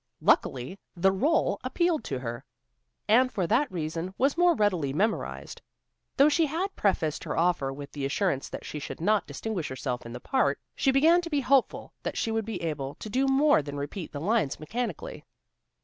Luckily the rôle appealed to her, and for that reason was more readily memorized. Though she had prefaced her offer with the assurance that she should not distinguish herself in the part, she began to be hopeful that she would be able to do more than repeat the lines mechanically.